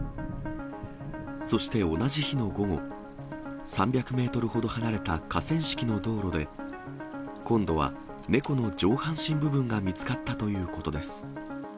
そして同じ日の午後、３００メートルほど離れた河川敷の道路で、今度は猫の上半身部分が見つかったということです。